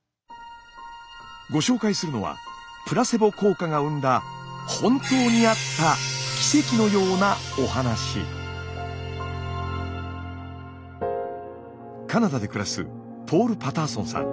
ご紹介するのはプラセボ効果が生んだ本当にあったカナダで暮らすポール・パターソンさん。